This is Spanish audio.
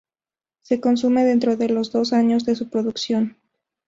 Se consume dentro de los dos años de su producción..